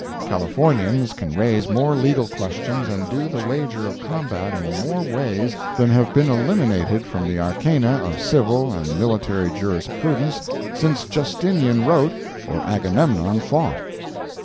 Californians can raise more legal questions and do the wager of combat in more ways than have been eliminated from the arcana of civil and military jurisprudence since Justinian wrote or Agamemnon fought.